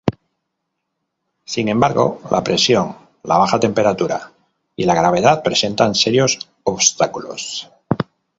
Sin embargo, la presión, la baja temperatura, y la gravedad presentan serios obstáculos.